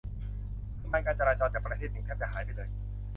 ปริมาณการจราจรจากประเทศหนึ่งแทบจะหายไปเลย